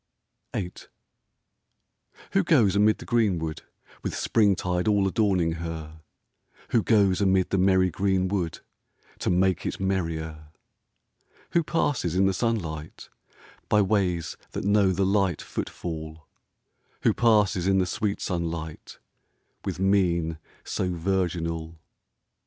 VIII Who goes amid the green wood With springtide all adorning her ? Who goes amid the merry green wood To make it merrier ? Who passes in the sunlight By ways that know the light footfall ? Who passes in the sweet sunlight With mien so virginal ?